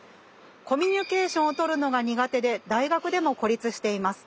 「コミュニケーションを取るのが苦手で大学でも孤立しています。